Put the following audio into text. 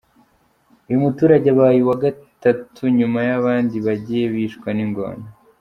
Uyu muturage abaye uwa Gatatu nyuma y’abandi bagiye bicwa n’ingona.